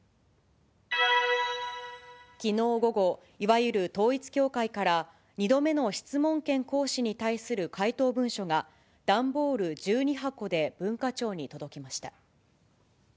きのう午後、いわゆる統一教会から２度目の質問権行使に対する回答文書が、段ボール１２箱で文化庁に届きました。